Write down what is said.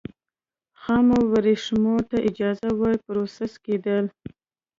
خامو ورېښمو ته اجازه وه پروسس کېدل.